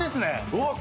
うわっ！